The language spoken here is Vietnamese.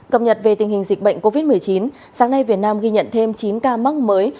cập nhật về tình hình dịch bệnh covid một mươi chín sáng nay việt nam ghi nhận thêm chín ca mắc mới